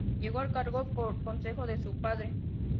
Llegó al cargo por consejo de su padre.